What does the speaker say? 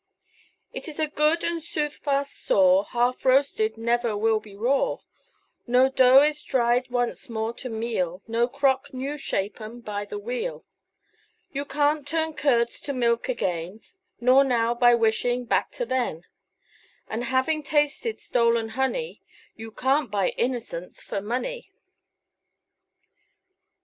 It is a good and soothfast saw; Half roasted never will be raw; No dough is dried once more to meal, No crock new shapen by the wheel; You can't turn curds to milk again, Nor Now, by wishing, back to Then; And having tasted stolen honey, You can't buy innocence for money.